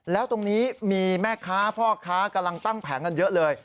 แล้วตรงนี้มีแม่ค้าพ่อค้ากำลังตั้งแผงกันเยอะเลย